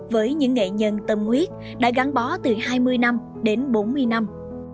với những nghệ nhân tâm huyết đã gắn bó từ hai mươi năm đến bốn mươi năm